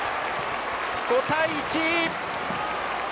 ５対１！